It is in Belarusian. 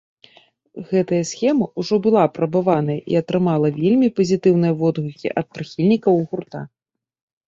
Гэтая схема ўжо была апрабаваная і атрымала вельмі пазітыўныя водгукі ад прыхільнікаў гурта.